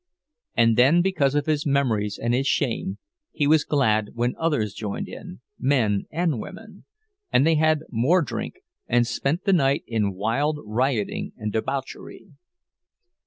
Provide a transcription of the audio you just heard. And then because of his memories and his shame, he was glad when others joined them, men and women; and they had more drink and spent the night in wild rioting and debauchery.